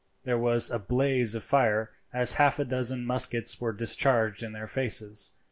There was a blaze of fire as half a dozen muskets were discharged in their faces.